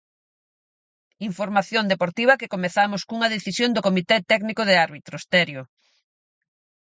Información deportiva que comezamos cunha decisión do Comité Técnico de Árbitros, Terio.